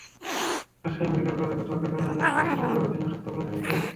Rajshahi medical college কর্তৃপক্ষের কারণ দর্শাও নোটিশের জবাবে তিনি অসুস্থ বলে জানিয়েছেন।